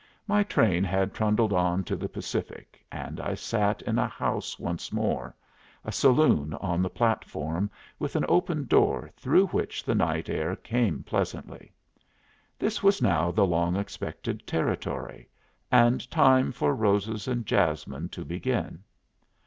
My train had trundled on to the Pacific, and I sat in a house once more a saloon on the platform, with an open door through which the night air came pleasantly. This was now the long expected Territory, and time for roses and jasmine to begin.